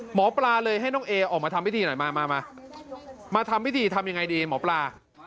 หมอปลาเลยให้น้องเอออกมาทำพิธีหน่อยมามาทำพิธีทำยังไงดีหมอปลา